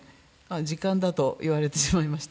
時間だと言われてしまいました。